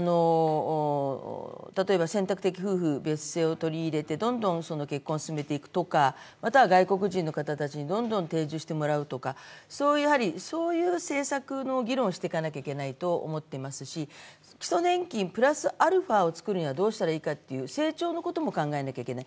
例えば選択的夫婦別姓を取り入れてどんどん結婚を進めていくとか、または外国人の方たちにどんどん定住してもらうとかそういう政策の議論をしていかないと行けないと思っていますし基礎年金プラスアルファを作るにはどうしたらいいかという成長のことも考えなければいけない。